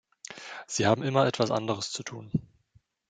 Sie haben immer etwas anderes zu tun.